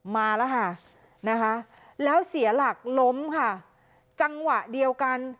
มาแล้วค่ะนะคะแล้วเสียหลักล้มค่ะจังหวะเดียวกัน